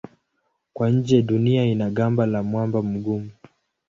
Kwa nje Dunia ina gamba la mwamba mgumu.